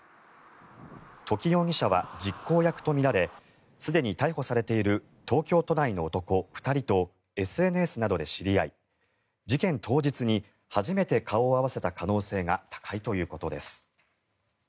土岐容疑者は実行役とみられすでに逮捕されている東京都内の男２人とＳＮＳなどで知り合い事件当日に初めて顔を合わせた可能性が高いということです。